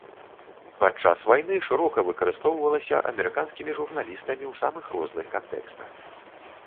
Падчас вайны шырока выкарыстоўвалася амерыканскімі журналістамі ў самых розных кантэкстах.